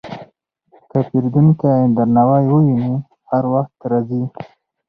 که پیرودونکی درناوی وویني، هر وخت راځي.